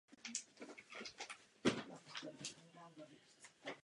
Již v mladém věku se stal členem sovětské reprezentace.